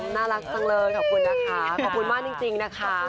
น่ารักจังเลยขอบคุณนะคะขอบคุณมากจริงนะคะ